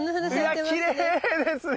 いやきれいですね